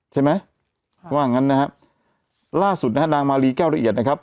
ใช่ไหมว่างั้นนะฮะล่าสุดนะฮะนางมาลีแก้วละเอียดนะครับ